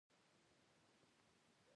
د دیراوت د بنګو کیسې او قیوم خان اوازې وې.